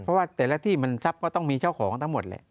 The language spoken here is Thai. เพราะว่าแต่ละที่มันทรัพย์ก็ต้องมีเจ้าของทั้งหมดแหละ